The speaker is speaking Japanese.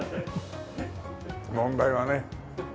問題はね